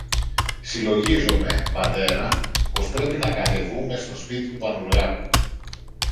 Συλλογίζομαι, πατέρα, πως πρέπει να κατεβούμε στο σπίτι του Πανουργάκου